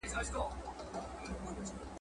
په ځالۍ کي کړېدله تپیدله `